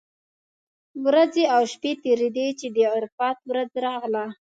ورځې او شپې تېرېدې چې د عرفات ورځ راغله.